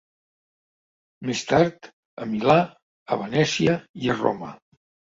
Més tard, a Milà, a Venècia i a Roma.